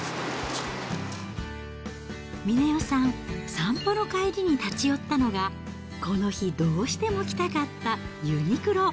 峰代さん、散歩の帰りに立ち寄ったのが、この日、どうしても来たかったユニクロ。